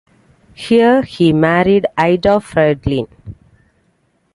Here he married Ida Friedlin.